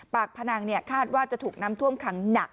พนังคาดว่าจะถูกน้ำท่วมขังหนัก